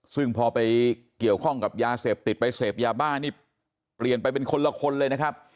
ซึ่งพอไปเกี่ยวข้องกับยาเสพติดไปเสพยาบ้านี่เปลี่ยนไปเป็นคนละคนเลยนะครับ